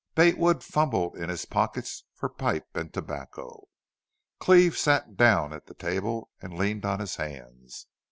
Bate Wood fumbled in his pockets for pipe and tobacco. Cleve sat down at the table and leaned on his hands.